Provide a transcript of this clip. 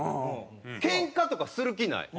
けんかとかする気ない。